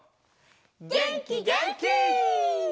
げんきげんき！